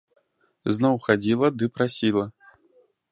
Зноў хадзіла ды прасіла.